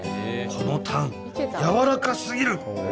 このタンやわらかすぎる！